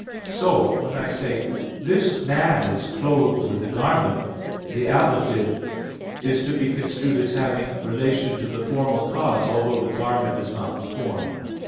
So when I say, "this man is clothed with a garment," the ablative is to be construed as having relation to the formal cause, although the garment is not the form.